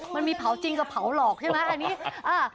มันมีเผาจริงกับเผาหลอกใช่ไหมอันนี้